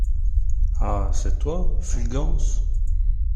Ah ! c’est toi, Fulgence ?